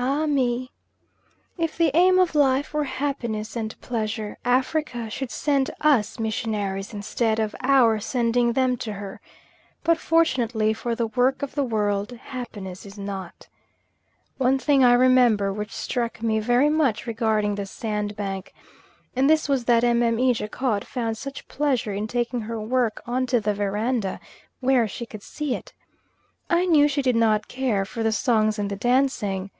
Ah me! if the aim of life were happiness and pleasure, Africa should send us missionaries instead of our sending them to her but, fortunately for the work of the world, happiness is not. One thing I remember which struck me very much regarding the sandbank, and this was that Mme. Jacot found such pleasure in taking her work on to the verandah, where she could see it. I knew she did not care for the songs and the dancing.